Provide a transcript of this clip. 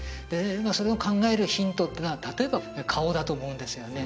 それを考えるヒントっていうのは例えば顔だと思うんですよね